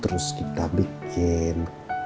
terus kita bikin